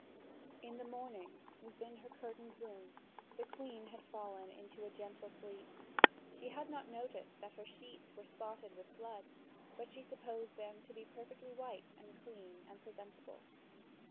(Vv. 4755 5006.) In the morning, within her curtained room, the Queen had fallen into a gentle sleep; she had not noticed that her sheets were spotted with blood, but she supposed them to be perfectly white and clean and presentable.